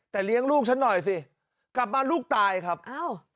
แต่เลี้ยงลูกฉันหน่อยสิกลับมาลูกตายครับอ้าว